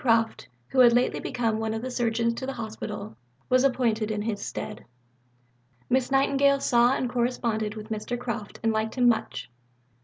Croft, who had lately become one of the Surgeons to the Hospital, was appointed in his stead. Miss Nightingale saw and corresponded with Mr. Croft, and liked him much.